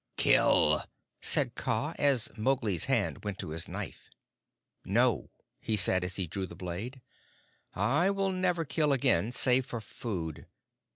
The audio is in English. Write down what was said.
"Kill!" said Kaa, as Mowgli's hand went to his knife. "No," he said, as he drew the blade; "I will never kill again save for food.